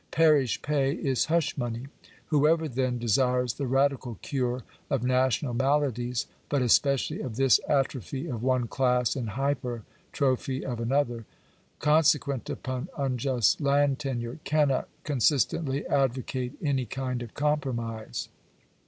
Parish pay is hush money. Whoever, then, desires the radical cure of national maladies, but especially of this atrophy of one class, and hypertrophy of another, consequent upon unjust land tenure, cannot con sistently advocate any kind of compromise.